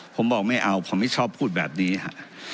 ผมบอกไม่เอาผมไม่ชอบพูดแบบนี้ฮะ